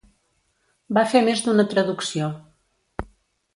Va fer més d'una traducció.